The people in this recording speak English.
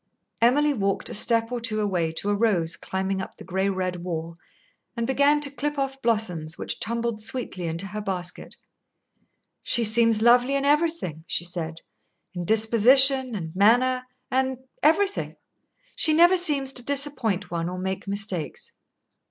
Emily walked a step or two away to a rose climbing up the gray red wall, and began to clip off blossoms, which tumbled sweetly into her basket. "She seems lovely in everything," she said, "in disposition and manner and everything. She never seems to disappoint one or make mistakes."